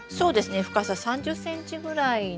深さ３０ｃｍぐらいの。